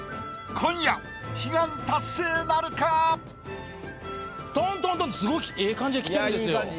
今夜悲願達成なるか⁉トントントンとすごいええ感じできてるんですよ。